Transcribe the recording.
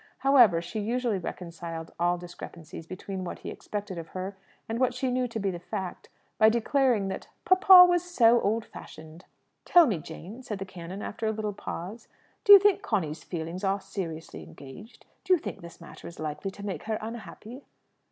However, she usually reconciled all discrepancies between what he expected of her and what she knew to be the fact, by declaring that "Papa was so old fashioned!" "Tell me, Jane," said the canon, after a little pause, "do you think Conny's feelings are seriously engaged? Do you think this matter is likely to make her unhappy?"